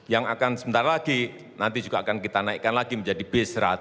yang akan sebentar lagi nanti juga akan kita naikkan lagi menjadi b seratus